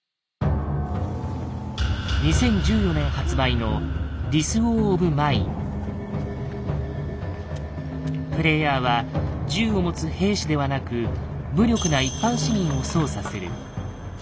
２０１４年発売のプレイヤーは銃を持つ兵士ではなく無力な一般市民を操作する。